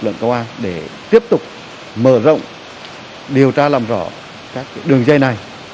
lực lượng công an để tiếp tục mở rộng điều tra làm rõ các đường dây này